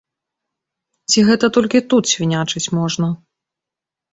Ці гэта толькі тут свінячыць можна?